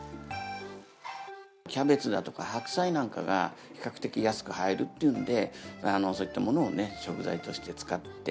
キャベツだとか白菜なんかが、比較的安く入るっていうので、そういったものを食材として使って。